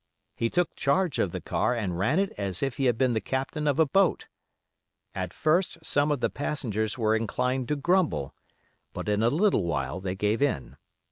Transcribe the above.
He took charge of the car and ran it as if he had been the Captain of a boat. At first some of the passengers were inclined to grumble, but in a little while they gave in.